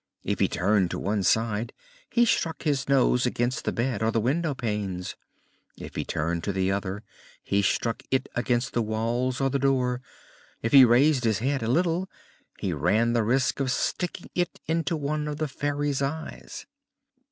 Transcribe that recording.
If he turned to one side he struck his nose against the bed or the window panes, if he turned to the other he struck it against the walls or the door, if he raised his head a little he ran the risk of sticking it into one of the Fairy's eyes.